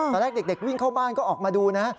ตอนแรกเด็กวิ่งเข้าบ้านก็ออกมาดูนะ